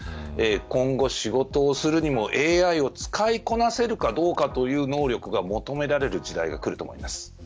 今後、仕事をするにもＡＩを使いこなせるかどうかという能力が求められる時代が来ると思います。